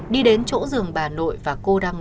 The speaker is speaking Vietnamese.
đi đến chỗ giường bà nội và cô đang ngồi